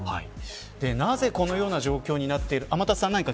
なぜ、このような状況になってしまったのか。